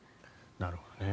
なるほどね。